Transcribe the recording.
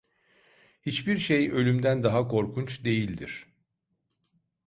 Hiçbir şey ölümden daha korkunç değildir!